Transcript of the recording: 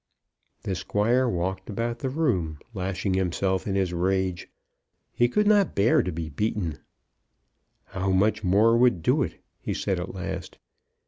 The Squire walked about the room, lashing himself in his rage. He could not bear to be beaten. "How much more would do it?" he said at last.